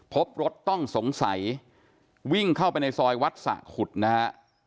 พบรถต้องสงสัยวิ่งเข้าไปในซอยวัดสะขุดนะฮะ